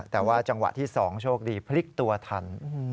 แต่ว่าจังหวะที่๒โชคดีพลิกตัวทัน